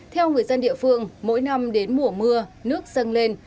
theo người dân địa phương mỗi năm đến mùa mưa nước dâng lên